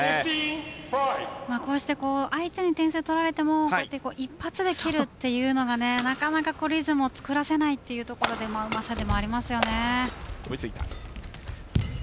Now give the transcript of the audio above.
こうして相手に点数を取られても一発できるというのがなかなかリズムを作らせないというところでうまさでもありますね。